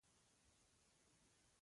د زده کوونکو پرمختګ د ښوونځي معیار وښود.